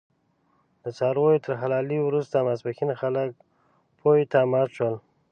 د څارویو تر حلالې وروسته ماسپښین خلک پېوې ته مات شول.